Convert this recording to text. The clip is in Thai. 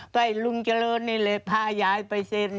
ก็ให้ลุงเจริญนี่แหละพายายไปเซ็น